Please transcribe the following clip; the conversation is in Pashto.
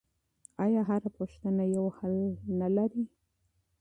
آیا هره پوښتنه یو حل نه لري؟